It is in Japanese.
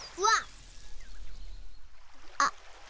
あっ。